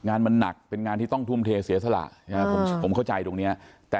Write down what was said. งานมันหนักเป็นงานที่ต้องทุ่มเทเสียสละผมเข้าใจตรงเนี้ยแต่